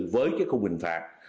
với cái khung hình phạt